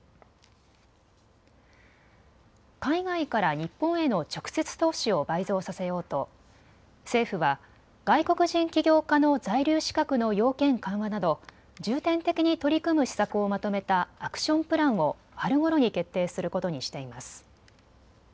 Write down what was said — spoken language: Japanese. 海外から日本への直接投資を倍増させようと政府は外国人起業家の在留資格の要件緩和など、重点的に取り組む施策をまとめたアクションプランを春ごろに決定することにしています。